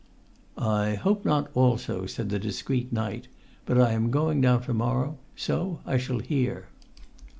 "I hope not also," said the discreet knight; "but I am going down to morrow, so I shall hear."